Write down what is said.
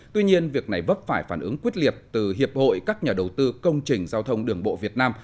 tuy nhiên việc này vấp phải phản ứng quyết liệt từ hiệp hội các nhà đầu tư công trình giao thông đường bộ việt nam